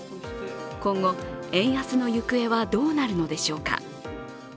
今後、円安の行方はどうなるのでしょうか。